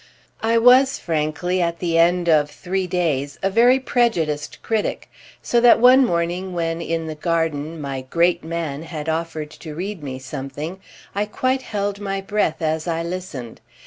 I was frankly, at the end of three days, a very prejudiced critic, so that one morning when, in the garden, my great man had offered to read me something I quite held my breath as I listened.